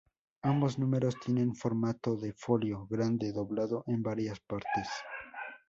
Ambos números tienen formato de folio grande doblado en varias partes.